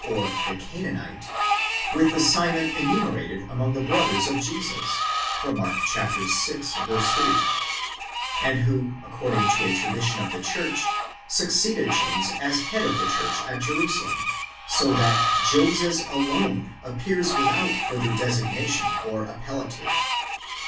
or the Canaanite) with the Simon enumerated among the brothers of Jesus (Mark vi. 3), and who according to a tradition of the church succeeded James as head of the church at Jerusalem 17; so that Joses alone appears without further designation or appellative.